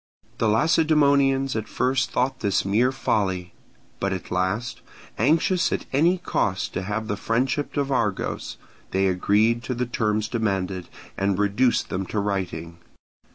The Lacedaemonians at first thought this mere folly; but at last, anxious at any cost to have the friendship of Argos they agreed to the terms demanded, and reduced them to writing.